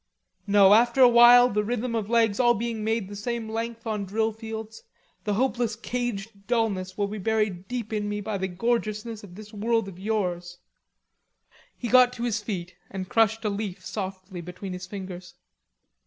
No, after a while the rhythm of legs all being made the same length on drill fields, the hopeless caged dullness will be buried deep in me by the gorgeousness of this world of yours!" He got to his feet and crushed a leaf softly between his fingers.